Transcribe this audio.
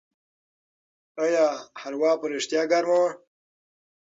آیا هلوا په رښتیا ګرمه وه؟